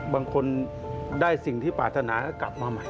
บางคนได้สิ่งที่ปรารถนาก็กลับมาใหม่